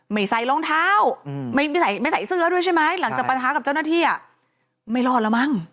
ใส่รองเท้าไม่ใส่เสื้อด้วยใช่ไหมหลังจากปะท้ากับเจ้าหน้าที่ไม่รอดแล้วมั้ง